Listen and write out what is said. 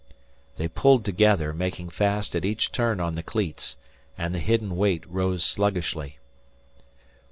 They pulled together, making fast at each turn on the cleats, and the hidden weight rose sluggishly.